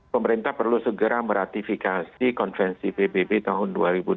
pemerintah perlu segera meratifikasi konvensi pbb tahun dua ribu tujuh belas